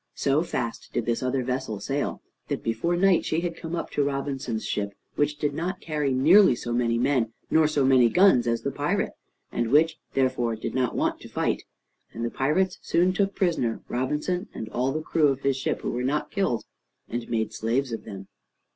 So fast did this other vessel sail, that before night she had come up to Robinson's ship, which did not carry nearly so many men nor so many guns as the pirate, and which therefore did not want to fight; and the pirates soon took prisoner Robinson and all the crew of his ship who were not killed, and made slaves of them.